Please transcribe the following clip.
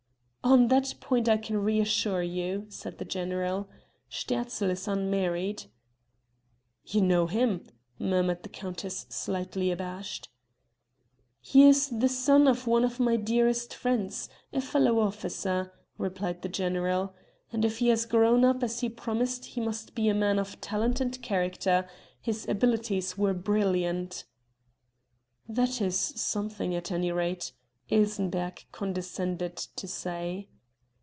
"On that point I can reassure you," said the general; "Sterzl is unmarried." "You know him?" murmured the countess slightly abashed. "He is the son of one of my dearest friends a fellow officer," replied the general, "and if he has grown up as he promised he must be a man of talent and character his abilities were brilliant." "That is something at any rate," Ilsenbergh condescended to say.